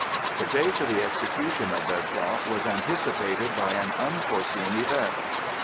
The day for the execution of their plot was anticipated by an unforeseen event.